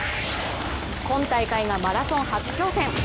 今大会がマラソン初挑戦。